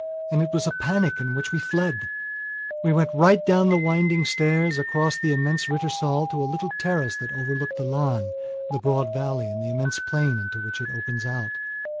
And it was a panic in which we fled! We went right down the winding stairs, across the immense Rittersaal to a little terrace that overlooks the Lahn, the broad valley and the immense plain into which it opens out.